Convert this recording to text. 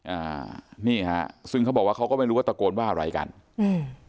อ่านี่ฮะซึ่งเขาบอกว่าเขาก็ไม่รู้ว่าตะโกนว่าอะไรกันอืม